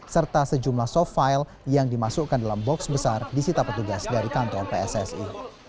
serta sejumlah soft file yang dimasukkan dalam box besar disita petugas dari kantor pssi